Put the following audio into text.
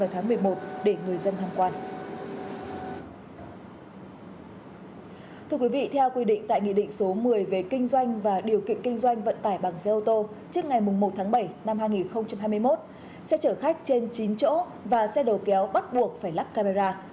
thưa quý vị theo quy định tại nghị định số một mươi về kinh doanh và điều kiện kinh doanh vận tải bằng xe ô tô trước ngày một tháng bảy năm hai nghìn hai mươi một xe chở khách trên chín chỗ và xe đầu kéo bắt buộc phải lắp camera